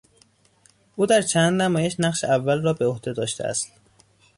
او در چند نمایش نقش اول را بهعهده داشته است.